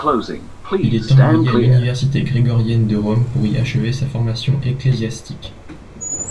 Il est envoyé à l'Université grégorienne de Rome pour y achever sa formation ecclésiastique.